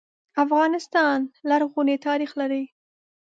افغانستان لرغونی ناریخ لري.